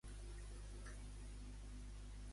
La formació de Colau els ha refusat tots tres?